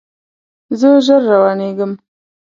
زه ژر روانیږم